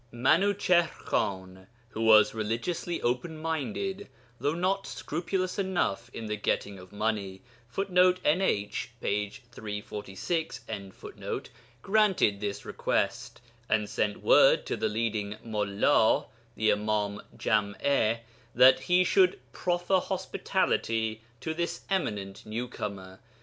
Minuchihr Khan, who was religiously openminded though not scrupulous enough in the getting of money, [Footnote: NH, p. 346.] granted this request, and sent word to the leading mullā (the Imām Jam'a) that he should proffer hospitality to this eminent new comer.